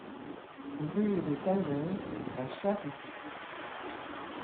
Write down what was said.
Rue des Tanneurs à Charroux